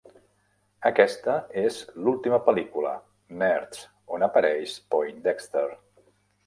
Aquesta és l"última pel·lícula "Nerds" on apareix Poindexter.